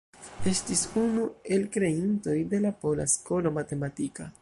Estis unu el kreintoj de la pola skolo matematika.